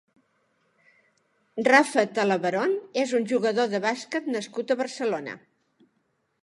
Rafa Talaverón és un jugador de bàsquet nascut a Barcelona.